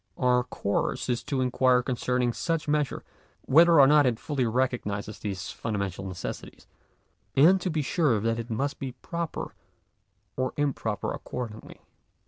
Our course is to inquire concerning such measure, whether or not it fully recognises these fundamental necessities, and to be sure that it must be proper or improper accordingly.